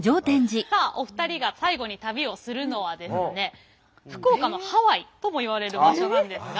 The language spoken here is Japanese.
さあお二人が最後に旅をするのはですね福岡のハワイともいわれる場所なんですが。